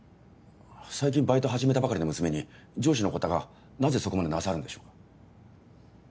最近バイト始めたばかりの娘に上司の方がなぜそこまでなさるんでしょうか？